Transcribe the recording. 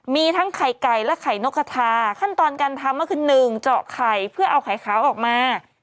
มีทั้งไข่ไก่และไข่นกกระทาขั้นตอนการทำก็คือ๑เจาะไข่เพื่อเอาไข่ขาวออกมา